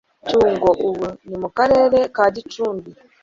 Cyungo ubu ni mu Karere ka Gicumbi